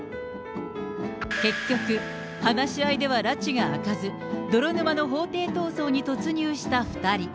結局、話し合いではらちが明かず、泥沼の法廷闘争に突入した２人。